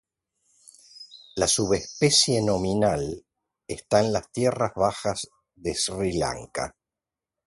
La subespecie nominal está en las tierras bajas de Sri Lanka.